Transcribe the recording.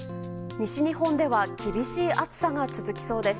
西日本では厳しい暑さが続きそうです。